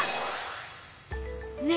ねえ